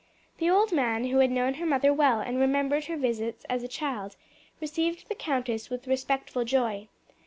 The old man, who had known her mother well and remembered her visits as a child, received the countess with respectful joy.